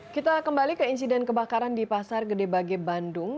kita kembali ke insiden kebakaran di pasar gede bage bandung